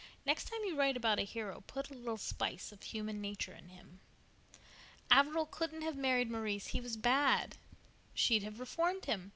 Next time you write about a hero put a little spice of human nature in him." "Averil couldn't have married Maurice. He was bad." "She'd have reformed him.